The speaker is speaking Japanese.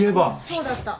そうだった。